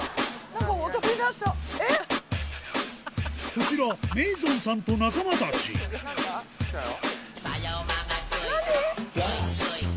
こちらメイゾンさんと仲間たちきたよ。何？